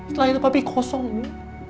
setelah itu papih kosong mi